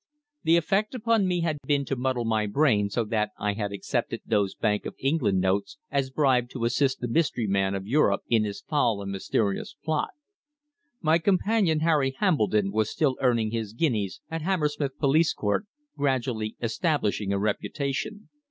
The effect upon me had been to muddle my brain so that I had accepted those Bank of England notes as bribe to assist the mystery man of Europe in his foul and mysterious plot. My companion Harry Hambledon was still earning his guineas at Hammersmith Police Court, gradually establishing a reputation.